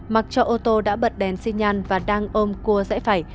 mặc cho ô tô đã bật đèn xin nhan và đang ôm cua rãi phải